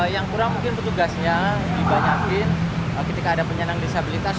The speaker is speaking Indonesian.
yang kurang mungkin petugasnya dibanyakin ketika ada penyandang disabilitas